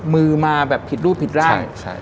มือมาแบบผิดรูปผิดร่าง